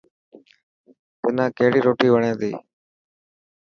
تنان ڪهڙي روٽي وڻي تي.